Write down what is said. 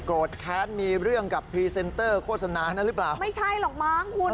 แค้นมีเรื่องกับพรีเซนเตอร์โฆษณานั้นหรือเปล่าไม่ใช่หรอกมั้งคุณ